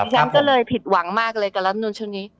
ฉันก็เลยผิดหวังมากเลยกับรัฐมนุนชุดนี้